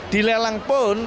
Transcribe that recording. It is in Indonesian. dilelang pokoknya ada